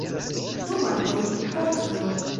Du markojn? Por kio?